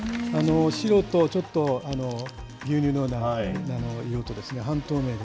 白とちょっと牛乳のような色とですね、半透明で。